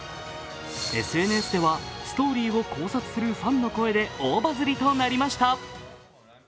ＳＮＳではストーリーを考察するファンの声で大バズりとなりました。